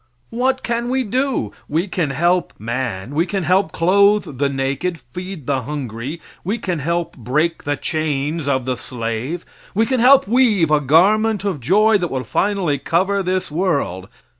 What can we do? We can help man; we can help clothe the naked, feed the hungry; we can help break the chains of the slave; we can help weave a garment of joy that will finally cover this world.